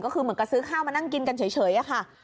ก็คือเหมือนกับซื้อข้าวมานั่งกินกันเฉยค่ะ